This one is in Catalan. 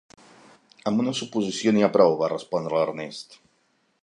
"Amb una suposició n'hi ha prou", va respondre l'Ernest.